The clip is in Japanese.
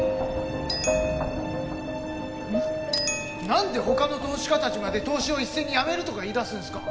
なんで他の投資家たちまで投資を一斉にやめるとか言い出すんですか！